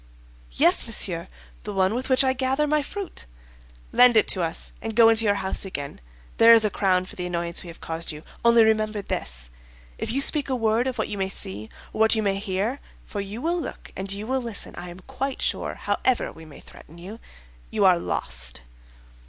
'Yes, monsieur, the one with which I gather my fruit.' 'Lend it to us, and go into your house again; there is a crown for the annoyance we have caused you. Only remember this—if you speak a word of what you may see or what you may hear (for you will look and you will listen, I am quite sure, however we may threaten you), you are lost.